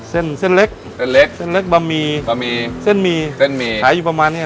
เส้นเล็กเส้นเล็กบะหมี่เส้นหมี่ขายอยู่ประมาณนี้